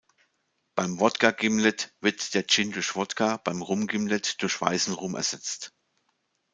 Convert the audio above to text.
Beim Wodka-Gimlet wird der Gin durch Wodka, beim Rum-Gimlet durch weißen Rum ersetzt.